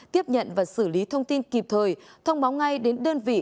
tiếp nhận và xử lý thông tin kịp thời thông báo ngay đến đơn vị